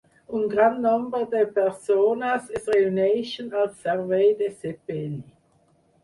Un gran nombre de persones es reuneixen al servei de sepeli.